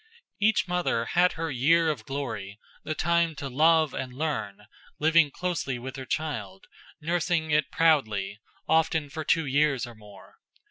Each mother had her year of glory; the time to love and learn, living closely with her child, nursing it proudly, often for two years or more.